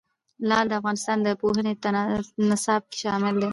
لعل د افغانستان د پوهنې نصاب کې شامل دي.